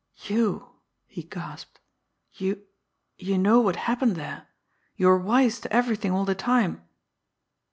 "You!" he gasped. "You you know what happened there you were wise to everything all the time?"